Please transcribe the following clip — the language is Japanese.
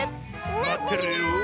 まってるよ！